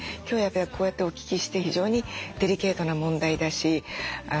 今日やっぱりこうやってお聞きして非常にデリケートな問題だし。